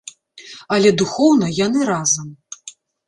Але духоўна яны разам.